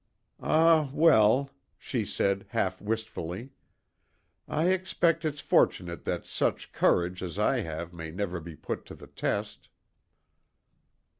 "Ah, well," she said, half wistfully, "I expect it's fortunate that such courage as I have may never be put to the test."